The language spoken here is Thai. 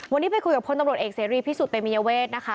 วันนี้ไปคุยกับพ้นตำรวจเอกเสรีพิสูจน์เป็นมิเยาเวทนะคะ